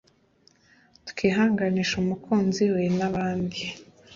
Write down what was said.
twihanganishe umukunzi we n’abandi